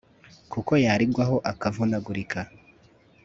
kuko yarigwaho akavunagurika